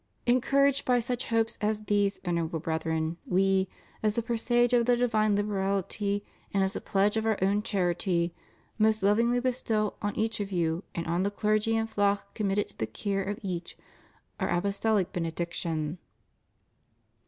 Encouraged by such hopes as these, Venerable Brethren, We, as a presage of the divine hberahty and as a pledge of Our own charity, most lovingly bestow on each of you, and on the clergy and flock committed to the care of each, Our Apostolic Benediction.